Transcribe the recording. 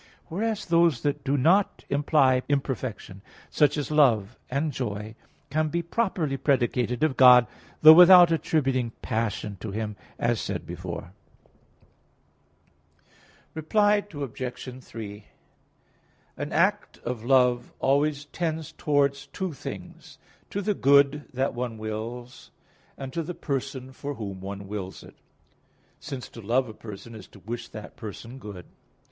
Whereas, those that do not imply imperfection, such as love and joy, can be properly predicated of God, though without attributing passion to Him, as said before (Q. 19, A. 11). Reply Obj. 3: An act of love always tends towards two things; to the good that one wills, and to the person for whom one wills it: since to love a person is to wish that person good.